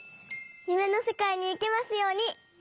ゆめのせかいにいけますように。